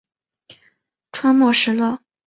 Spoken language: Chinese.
川黔石栎